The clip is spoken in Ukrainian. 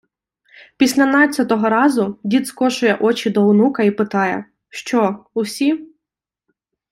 Після надцятого разу дід скошує очі до онука і питає: “Що, усі?”